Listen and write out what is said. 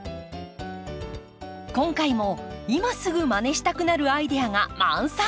今回も今すぐまねしたくなるアイデアが満載。